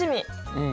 うん。